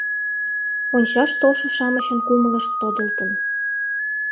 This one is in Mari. Ончаш толшо-шамычын кумылышт тодылтын.